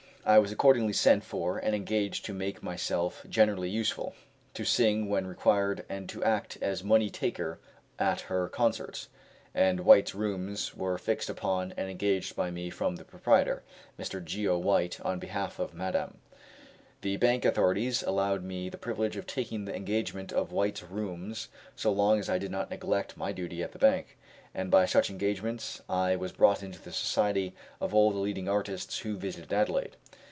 I was accordingly sent for and engaged to make myself generally useful, to sing when required, and to act as money taker at her concerts, and White's Rooms were fixed upon and engaged by me from the proprietor, Mr. Geo. White, on behalf of Madame. The bank authorities allowed me the privilege of taking the engagement of White's Rooms so long as I did not neglect my duty at the bank, and by such engagements I was brought into the society of all the leading artists who visited Adelaide.